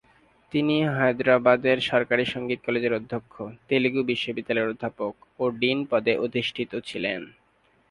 তিনি হায়দ্রাবাদের সরকারি সংগীত কলেজের অধ্যক্ষ, তেলুগু বিশ্ববিদ্যালয়ের অধ্যাপক ও ডিন পদে অধিষ্ঠিত ছিলেন।